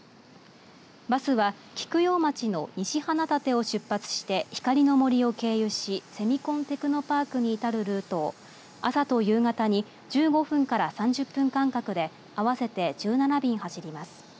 バスは菊陽町の西花立を出発して光の森を経由しセミコンテクノパークに至るルートを朝と夕方に１５分から３０分間隔で合わせて１７便走ります。